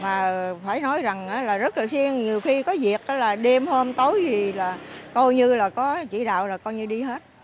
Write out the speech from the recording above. mà phải nói rằng là rất là xuyên nhiều khi có việc là đêm hôm tối thì là coi như là có chỉ đạo là coi như đi hết